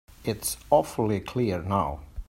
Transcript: It's awfully clear now.